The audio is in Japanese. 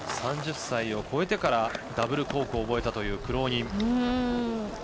３０歳を超えてからダブルコークを覚えたという苦労人。